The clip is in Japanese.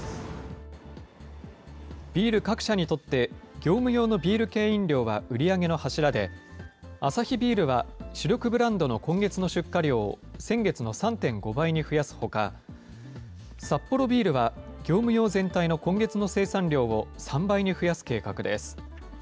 業務用のビール系飲料は売り上げの柱で、アサヒビールは、主力ブランドの今月の出荷量を先月の３．５倍に増やすほか、サッポロビールは、業務用全体の今月の生産量を３倍に増やす計画です。